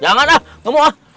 jangan ah kamu ah